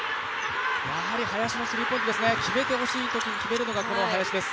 やはり林のスリーポイントですね、決めてほしいときに決めるのが林です。